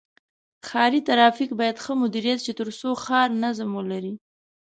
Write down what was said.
ښاري ترافیک باید ښه مدیریت شي تر څو ښار نظم ولري.